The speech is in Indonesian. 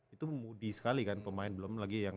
itu mood y sekali kan pemain belum lagi yang